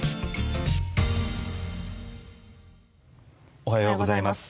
おはようございます。